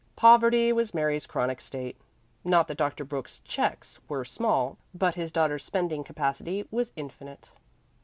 Poverty was Mary's chronic state. Not that Dr. Brooks's checks were small, but his daughter's spending capacity was infinite.